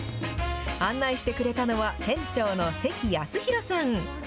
案内してくれたのは、店長の関泰寛さん。